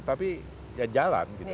tapi ya jalan gitu